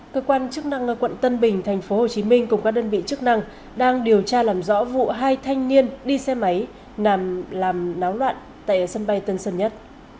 cơ quan chức năng quận tân bình tp hcm cùng các đơn vị chức năng đang điều tra làm rõ vụ hai thanh niên đi xe máy làm náo loạn tại sân bay tân sơn nhất